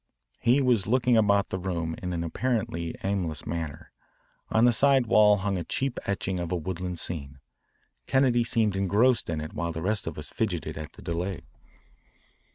He was looking about the room in an apparently aimless manner. On the side wall hung a cheap etching of a woodland scene. Kennedy seemed engrossed in it while the rest of us fidgeted at the delay.